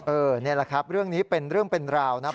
นี่แหละครับเรื่องนี้เป็นเรื่องเป็นราวนะครับ